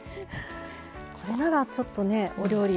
これならちょっとねお料理